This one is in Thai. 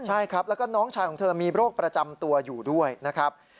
ใช่ครับแล้วก็น้องชายของเธอมีโรคประจำตัวอยู่ด้วยนะครับ